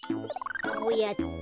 こうやって。